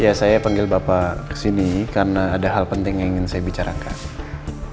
ya saya panggil bapak kesini karena ada hal penting yang ingin saya bicarakan